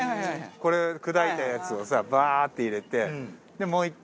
これ砕いたやつをさバーッて入れて。